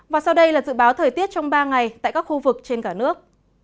và sau đây là dự báo thời tiết trong ba ngày tại các khu vực trên cả nước